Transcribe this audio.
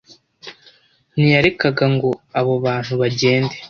Ntiyarekaga ngo abo bantu bagende